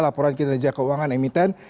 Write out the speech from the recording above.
laporan kinerja keuangan emiten